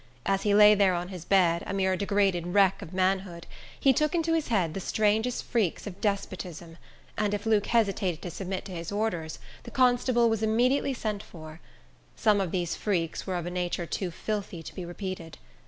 As he lay there on his bed, a mere degraded wreck of manhood, he took into his head the strangest freaks of despotism; and if Luke hesitated to submit to his orders, the constable was immediately sent for. Some of these freaks were of a nature too filthy to be repeated.